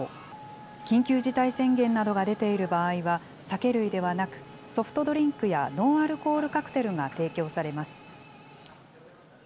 緊急事態宣言などが出ている場合は、酒類ではなく、ソフトドリンクやノンアルコールカクテルが提供されます。